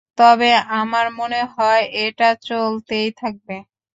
তবে আমার মনে হয় এটা চলতেই থাকবে।